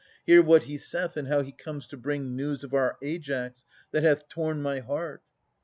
Hear what he saith, and how he comes to bring News of our Aias that hath torn my heart.